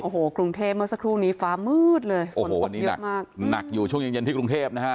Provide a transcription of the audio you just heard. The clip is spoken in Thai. โอ้โหกรุงเทพเมื่อสักครู่นี้ฟ้ามืดเลยโอ้โหนี่หนักอยู่ช่วงเย็นที่กรุงเทพนะฮะ